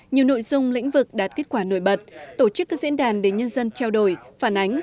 nhiều nội dung lĩnh vực đạt kết quả nổi bật tổ chức các diễn đàn để nhân dân trao đổi phản ánh